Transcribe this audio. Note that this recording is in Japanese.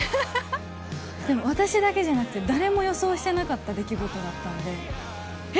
でも私だけじゃなくて、誰も予想してなかった出来事だったので、え？